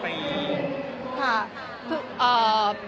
มีรูปมากว่าอีก